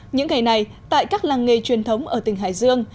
những ngày này tại các làng nghề truyền thống ở tỉnh hải dương